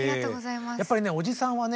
やっぱりねおじさんはね